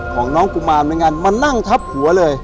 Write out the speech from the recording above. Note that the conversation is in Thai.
ของน้องกุมารไม่งั้นมานั่งทับหัวเลย